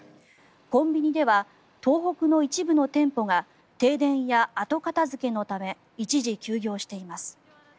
コンビニでは東北の一部の店舗が停電や後片付けのため一時休業しています。